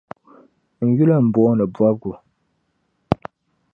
N yuli m-booni Bɔbigu.